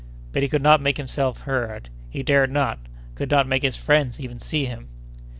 But he could not make himself heard; he dared not, could not make his friends even see him!